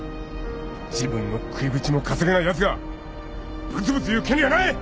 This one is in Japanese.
自分の食いぶちも稼げないやつがぶつぶつ言う権利はない！